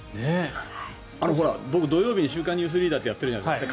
僕、土曜日に「週刊ニュースリーダー」やっているじゃないですか。